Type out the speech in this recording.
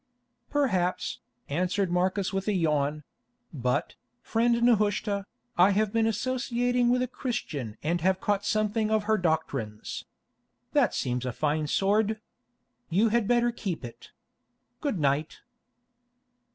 "Perhaps," answered Marcus with a yawn; "but, friend Nehushta, I have been associating with a Christian and have caught something of her doctrines. That seems a fine sword. You had better keep it. Good night."